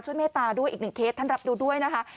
เมตตาด้วยอีกหนึ่งเคสท่านรับดูด้วยนะคะ